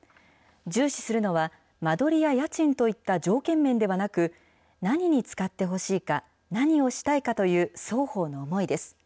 重視するのは、間取りや家賃といった条件面ではなく、何に使ってほしいか、何をしたいかという双方の思いです。